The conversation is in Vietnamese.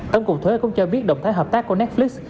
tổng cục thuế cũng cho biết động thái hợp tác của netflix